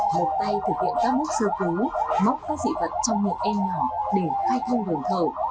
một tay thực hiện các bước sơ cứu móc các dị vật trong miệng em nhỏ để khai thông đồn thầu